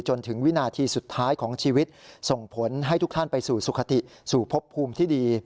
จนถึงวินาทีสุดท้ายของชีวิตส่งผลให้ทุกท่านไปสู่สุขติสู่พบภูมิที่ดี